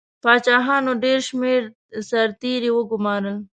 پاچاهانو ډېر شمېر سرتیري وګمارل.